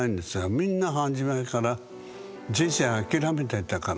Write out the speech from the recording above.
みんな初めから人生諦めてたから。